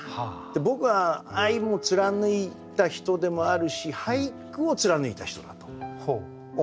僕は愛も貫いた人でもあるし俳句を貫いた人だと思いますね。